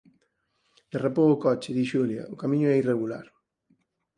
Derrapou o coche, di Xulia, o camiño é irregular.